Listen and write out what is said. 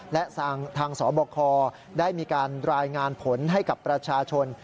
และทางสบคได้มีการรายงานผลให้กับประชาชน